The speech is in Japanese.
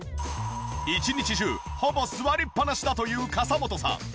一日中ほぼ座りっぱなしだという笠本さん。